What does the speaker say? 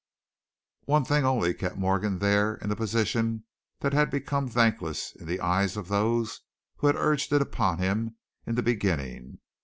One thing only kept Morgan there in the position that had become thankless in the eyes of those who had urged it upon him in the beginning.